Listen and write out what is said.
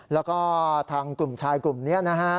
แล้วก็ทางกลุ่มชายกลุ่มนี้นะฮะ